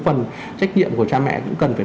phần trách nhiệm của cha mẹ cũng cần phải